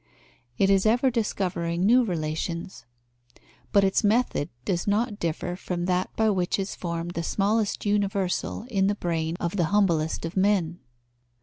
It is ever discovering new relations. But its method does not differ from that by which is formed the smallest universal in the brain of the humblest of men.